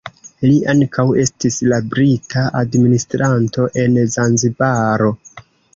Li ankaŭ estis la brita administranto en Zanzibaro.